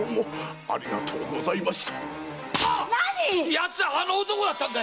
⁉奴はあの男だったんだ！